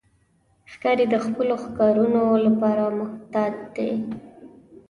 ښکاري د خپلو ښکارونو لپاره محتاط دی.